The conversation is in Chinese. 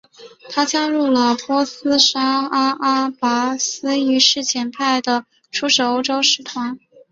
他加入了波斯沙阿阿拔斯一世派遣的出使欧洲使团。